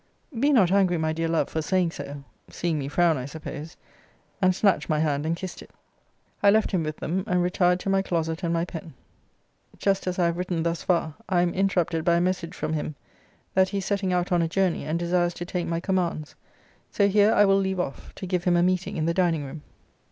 Be not angry, my dear love, for saying so, [seeing me frown, I suppose:] and snatched my hand and kissed it. I left him with them; and retired to my closet and my pen. Just as I have written thus far, I am interrupted by a message from him, that he is setting out on a journey, and desires to take my commands. So here I will leave off, to give him a meeting in the dining room.